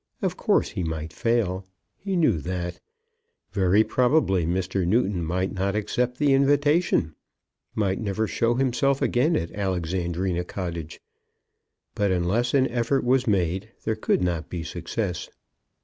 Of course he might fail. He knew that. Very probably Mr. Newton might not accept the invitation, might never show himself again at Alexandrina Cottage; but unless an effort was made there could not be success.